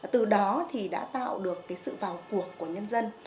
từ đó thì đã tạo được sự vào cuộc của nhân dân